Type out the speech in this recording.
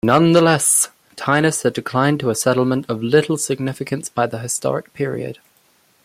Nonetheless, Thinis had declined to a settlement of little significance by the historic period.